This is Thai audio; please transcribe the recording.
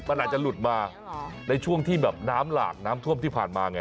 มันอาจจะหลุดมาในช่วงที่แบบน้ำหลากน้ำท่วมที่ผ่านมาไง